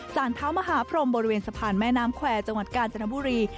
สถานท้าวมหาพรมบริเวณสะพานแม่น้ำแครจังหวัดกาลอันจนบูรี